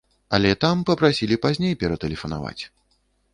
Але там папрасілі пазней ператэлефанаваць.